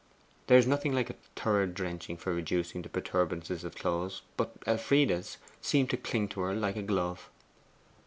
There is nothing like a thorough drenching for reducing the protuberances of clothes, but Elfride's seemed to cling to her like a glove.